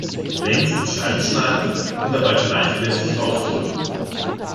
Längs in Scheiben schneiden und dabei gleichmäßig aufdrücken.